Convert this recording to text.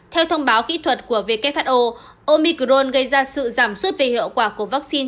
theo thông báo kỹ thuật của who omicron gây ra sự giảm suốt về hiệu quả của vaccine